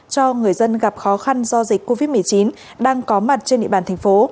cho người dân gặp khó khăn do dịch covid một mươi chín đang có mặt trên địa bàn tp